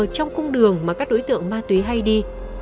trong cung đường mà các đối tượng ma túy hay đi